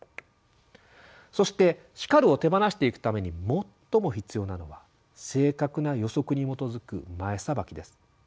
そして「叱る」を手放していくために最も必要なのは正確な予測に基づく「前さばき」です。